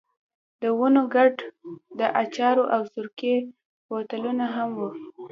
د ونو کنډ، د اچارو او سرکې بوتلونه هم وو.